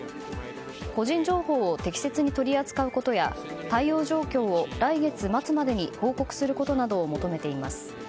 個人情報を適切に取り扱うことや対応状況を、来月末までに報告することなどを求めています。